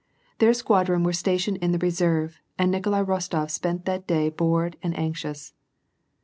Their squadron were stationed in the reserve, and Nikolai Rostof spent that day bored and anxious.